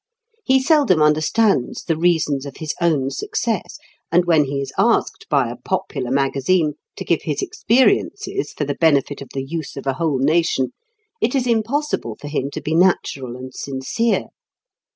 He seldom understands the reasons of his own success; and when he is asked by a popular magazine to give his experiences for the benefit of the youth of a whole nation, it is impossible for him to be natural and sincere.